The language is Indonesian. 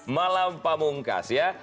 malam pamungkas ya